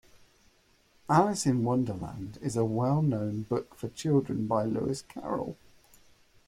Alice in Wonderland is a well-known book for children by Lewis Carroll